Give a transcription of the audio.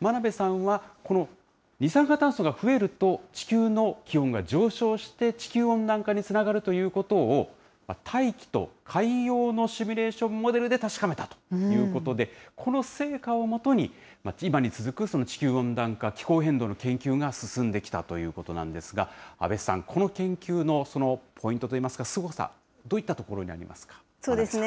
真鍋さんはこの二酸化炭素が増えると地球の気温が上昇して、地球温暖化につながるということを、大気と海洋のシミュレーションモデルで確かめたということで、この成果を基に、今に続く地球温暖化、気候変動の研究が進んできたということなんですが、阿部さん、この研究のポイントといいますか、すごさ、どういったところにありますか。